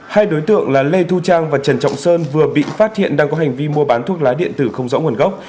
hai đối tượng là lê thu trang và trần trọng sơn vừa bị phát hiện đang có hành vi mua bán thuốc lá điện tử không rõ nguồn gốc